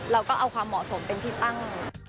เราก็เอาความเหมาะสมเป็นที่ตั้ง